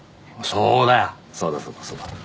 そうだそうだそうだ。